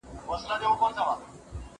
زه بايد کښېناستل وکړم؟